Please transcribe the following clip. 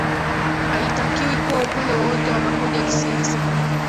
haitakiwi kuwa upande wowote wa makundi ya kisiasa